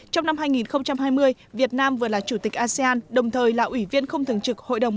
trong năm hai nghìn hai mươi việt nam vừa là chủ tịch asean đồng thời là ủy viên không thường trực hội đồng